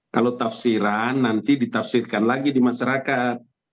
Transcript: kalau tafsiran nanti ditafsirkan lagi di masyarakat